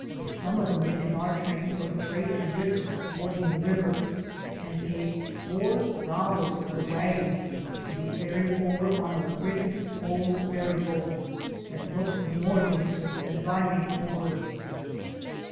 Some of the men in our train were afraid to risk fording the river, and paid four dollars per wagon to be ferried over on a rickety old ferry boat that looked more dangerous than driv ing over.